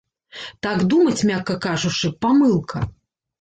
Так думаць, мякка кажучы, памылка.